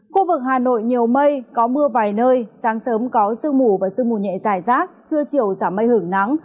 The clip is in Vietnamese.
khu vực hà nội nhiều mây có mưa vài nơi sáng sớm có sương mù và sương mù nhẹ dài rác trưa chiều giảm mây hưởng nắng